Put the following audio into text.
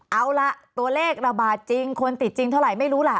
เอาล่ะตัวเลขระบาดจริงคนติดจริงเท่าไหร่ไม่รู้ล่ะ